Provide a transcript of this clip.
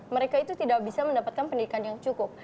mereka itu tidak bisa mendapatkan pendidikan yang cukup